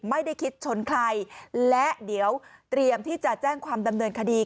ไม่ได้คิดชนใครและเดี๋ยวเตรียมที่จะแจ้งความดำเนินคดี